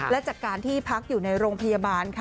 และจากการที่พักอยู่ในโรงพยาบาลค่ะ